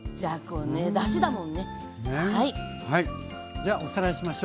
じゃあおさらいしましょう。